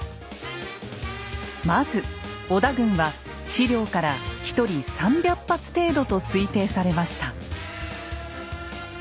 まず織田軍は史料から１人３００発程度と推定されました。